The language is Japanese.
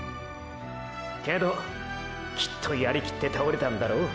けどきっとやりきって倒れたんだろ。